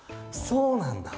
そうなんだ。